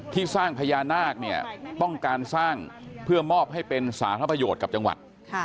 ที่สร้างพญานาคเนี่ยต้องการสร้างเพื่อมอบให้เป็นสาธารณประโยชน์กับจังหวัด